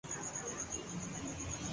یہاں ایک اشتباہ کا ازالہ ضروری ہے۔